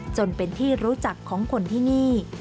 จนเป็นที่รู้จักของคนที่นี่